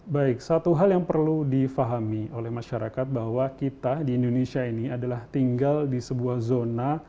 baik satu hal yang perlu difahami oleh masyarakat bahwa kita di indonesia ini adalah tinggal di sebuah zona